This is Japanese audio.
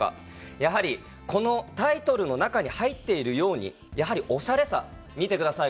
やはりこのタイトルの中に入っているようにやはりおしゃれさ見てください